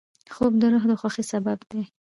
خوب د روح د خوښۍ سبب دی